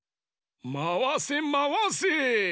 まわせまわせ。